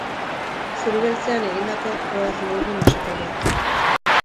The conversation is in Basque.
Zuri-beltzean egindako roadmovie musikal bat.